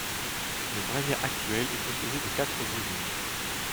Le bréviaire actuel est composé de quatre volumes.